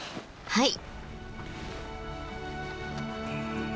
はい。